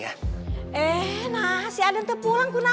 adakah ada yang peduli punya ku